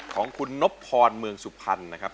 ของคุณนบพรเมืองสุพรรณนะครับ